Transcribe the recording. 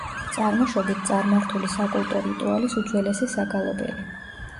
წარმოშობით წარმართული საკულტო რიტუალის უძველესი საგალობელი.